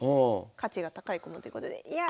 価値が高い駒ということでいや